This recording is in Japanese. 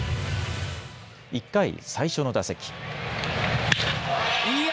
１回、最初の打席。